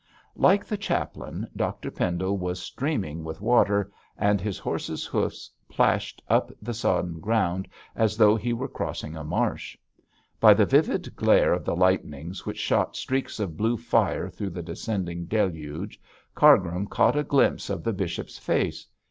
Like the chaplain, Dr Pendle was streaming with water, and his horse's hoofs plashed up the sodden ground as though he were crossing a marsh. By the livid glare of the lightnings which shot streaks of blue fire through the descending deluge, Cargrim caught a glimpse of the bishop's face.